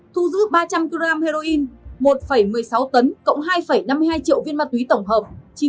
thu giữ ba trăm linh g heroin một một mươi sáu tấn cộng hai năm mươi hai triệu viên ma túy tổng hợp